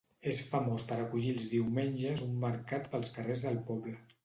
És famós per acollir els diumenges un mercat pels carrers del poble.